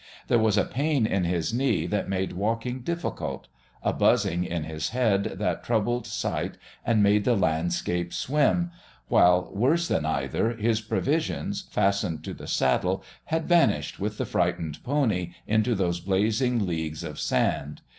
There was a pain in his knee that made walking difficult, a buzzing in his head that troubled sight and made the landscape swim, while, worse than either, his provisions, fastened to the saddle, had vanished with the frightened pony into those blazing leagues of sand.